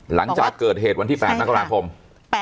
หลังจากเกิดเหตุวันที่๘นคศใช่ค่ะ